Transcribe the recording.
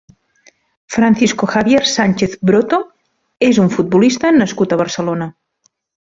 Francisco Javier Sánchez Broto és un futbolista nascut a Barcelona.